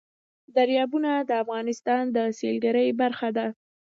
دریابونه د افغانستان د سیلګرۍ برخه ده.